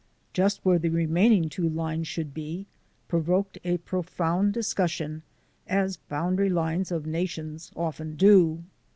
Just where the remaining two lines should be provoked a profound discussion, as boundary lines of nations often do.